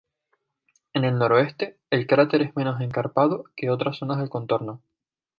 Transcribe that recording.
En el noreste, el cráter es menos escarpado que otras zonas del contorno.